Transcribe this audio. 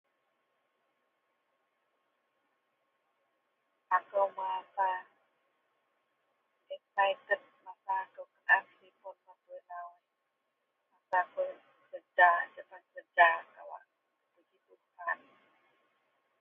akou merasa excited masa akou menaah jipou kou... [unintelligible]